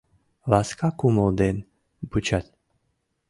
Ласка кумыл ден вучат;